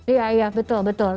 iya iya betul betul